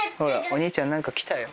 お兄ちゃん何か来たよ。